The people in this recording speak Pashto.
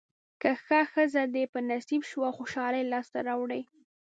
که ښه ښځه دې په نصیب شوه خوشالۍ لاسته راوړې.